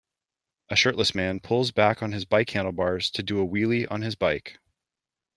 A shirtless man pulls back on his bike handlebars to do a wheelie on his bike.